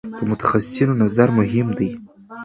د متخصصینو نظر مهم دی.